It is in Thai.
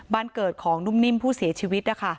บ้านเกิดของนุ่มนิ่มผู้เสียชีวิตนะคะ